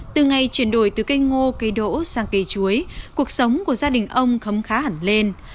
từ ngày chuyển đổi từ cây ngô cây đỗ sang cây chuối cuộc sống của gia đình ông khấm khá hẳn lên